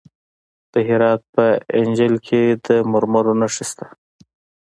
د هرات په انجیل کې د مرمرو نښې شته.